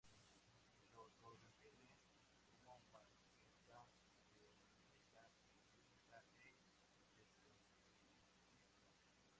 Se autodefine como marxista-leninista, feminista e independentista.